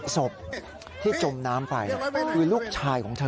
ศพที่จมน้ำไปคือลูกชายของเธอ